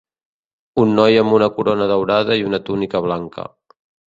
Un noi amb una corona daurada i una túnica blanca.